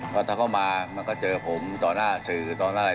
เพราะถ้าเขามามันก็เจอผมต่อหน้าสื่อต่อหน้าอะไร